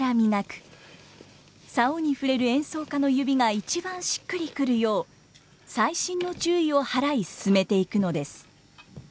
棹に触れる演奏家の指が一番しっくりくるよう細心の注意を払い進めていくのです。